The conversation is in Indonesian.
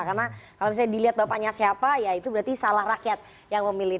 karena kalau misalnya dilihat bapaknya siapa ya itu berarti salah rakyat yang memilih